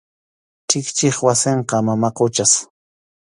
Chikchip wasinqa mama Quchas.